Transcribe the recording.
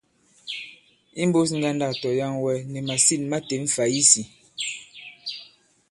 Imbūs ŋgandâk tɔ̀yaŋwɛ, nì màsîn ma têm fày isī.